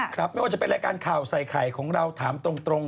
ไม่ว่าจะเป็นรายการข่าวใส่ไข่ของเราถามตรง